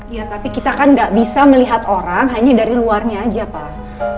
ya tapi kita kan gak bisa melihat orang hanya dari luarnya aja pak